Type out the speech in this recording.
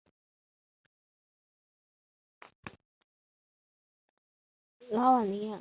拉瓦尼亚是西班牙西北部加利西亚自治区拉科鲁尼亚省的一个市镇。